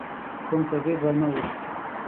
کوم تغییر رانه ووست.